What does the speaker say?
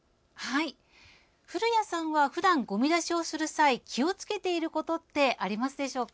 古谷さんは普段ごみ出しをする際気を付けていることってありますでしょうか？